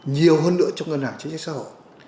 nhiều hơn nữa trong ngân hàng chính sách xã hội